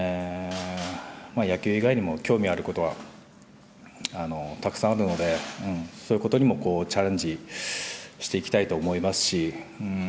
野球以外にも興味あることはたくさんあるので、そういうことにもチャレンジしていきたいと思いますし。